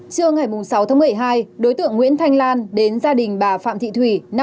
trưa ngày sáu tháng một mươi hai đối tượng nguyễn thanh lan đến gia đình bà phạm thị thủy